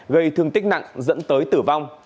gây thương tích nặng dẫn tới tử vong